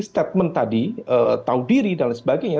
statement tadi tahu diri dan sebagainya